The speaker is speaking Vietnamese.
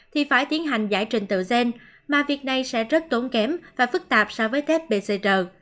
thì phải tiến hành giải trình tựa sen mà việc này sẽ rất tốn kém và phức tạp so với test pcr